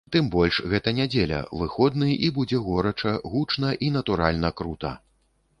Тым больш гэта нядзеля, выходны і будзе горача, гучна і, натуральна, крута.